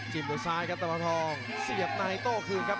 โหมดยกที่หนึ่งครับ